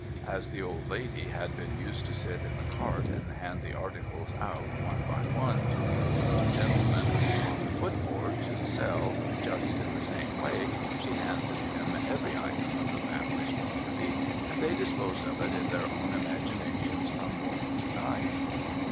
As the old lady had been used to sit in the cart, and hand the articles out one by one to the old gentleman on the footboard to sell, just in the same way she handed him every item of the family's property, and they disposed of it in their own imaginations from morning to night.